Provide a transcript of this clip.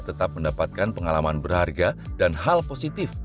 tetap mendapatkan pengalaman berharga dan hal positif